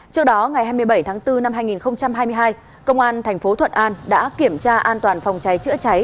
trước đó ngày hai mươi bảy tháng bốn năm hai nghìn hai mươi hai công an thành phố thuận an đã kiểm tra an toàn phòng cháy chữa cháy